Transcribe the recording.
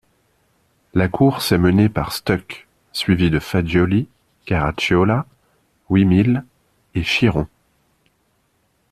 La course est menée par Stuck, suivi de Fagioli, Caracciola, Wimille et Chiron.